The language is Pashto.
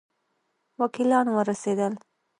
وکیلان ورسېدل.